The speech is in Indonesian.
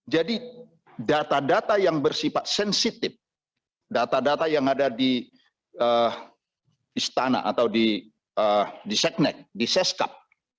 jadi data data yang bersifat sensitif data data yang ada di istana atau di sescap